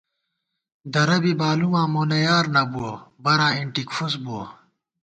درہ بی بالُماں مونہ یار نہ بُوَہ، براں اِنٹِک فُس بُوَہ